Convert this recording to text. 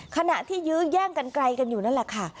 ขณะที่ยื้อแย่งกันไกลกันอยู่นั่นแหละค่ะ